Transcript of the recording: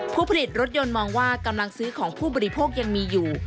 ผู้ผลิตรถยนต์มองว่ากำลังซื้อของผู้บริโภคยังมีอยู่